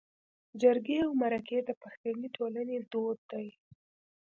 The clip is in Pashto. جرګې او مرکې د پښتني ټولنې دود دی